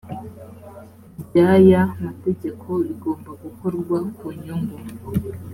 ry aya mategeko bigomba gukorwa ku nyungu